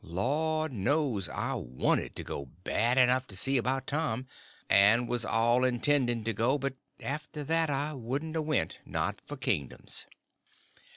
Laws knows I wanted to go bad enough to see about Tom, and was all intending to go; but after that I wouldn't a went, not for kingdoms.